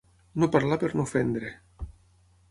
No parlar per no ofendre.